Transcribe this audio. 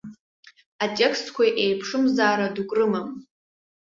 Атекстқәа еиԥшымзаара дук рымам.